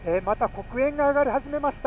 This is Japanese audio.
黒煙が上がり始めました。